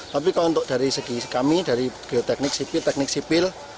tapi kalau untuk dari segi kami dari geoteknik sipil